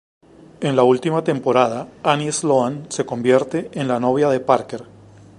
En la última temporada Annie Sloan se convierte en la novia de Parker.